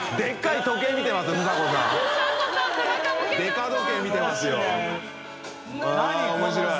でか時計見てますよ面白い。